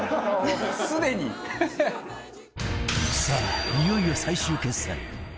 さあいよいよ最終決戦